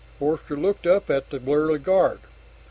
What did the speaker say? Forster looked up at the burly guard.